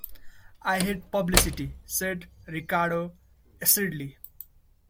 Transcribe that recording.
"I hate publicity," said Ricardo acidly.